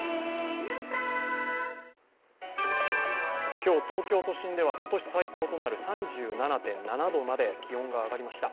今日、東京都心では今年最高となる３７．７度まで気温が上がりました。